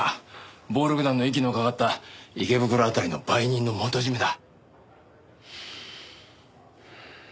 暴力団の息のかかった池袋辺りの売人の元締だ。